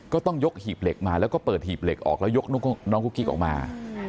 ก็ต้องยกหีบเหล็กมาแล้วก็เปิดหีบเหล็กออกแล้วยกน้องกุ๊กกิ๊กออกมา